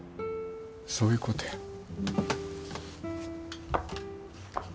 そういうことや。